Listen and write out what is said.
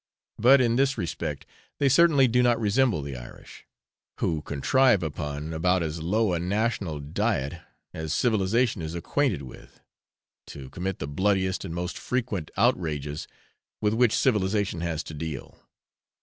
But in this respect they certainly do not resemble the Irish, who contrive upon about as low a national diet as civilisation is acquainted with, to commit the bloodiest and most frequent outrages with which civilisation has to deal.